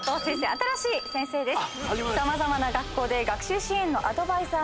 新しい先生です。